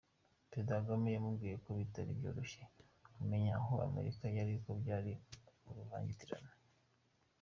Perezida Kagame yamubwiye ko bitari byoroshye kumenya aho Amerika yari kuko byari uruvangitirane.